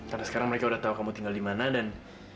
karena sekarang mereka udah tahu kamu tinggal di mana dan